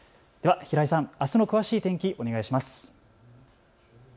では平井さん、あすの詳しい天気、お願いします。